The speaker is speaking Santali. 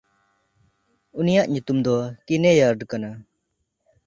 ᱩᱱᱤᱭᱟᱜ ᱧᱩᱛᱩᱢ ᱫᱚ ᱠᱤᱱᱮᱭᱟᱨᱰ ᱠᱟᱱᱟ᱾